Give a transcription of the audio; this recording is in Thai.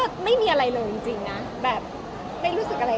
ก็ไม่มีอะไรเลยจริงนะแบบไม่รู้สึกอะไร